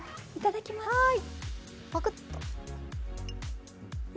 いただきます。